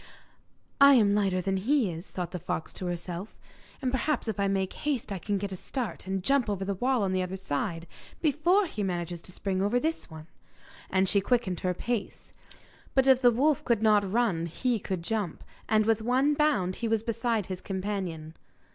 'I am lighter than he is,' thought the fox to herself, 'and perhaps if I make haste I can get a start, and jump over the wall on the other side before he manages to spring over this one.' And she quickened her pace. But if the wolf could not run he could jump, and with one bound he was beside his companion.